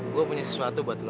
gue punya sesuatu buat lo